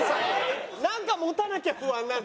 なんか持たなきゃ不安なんだな。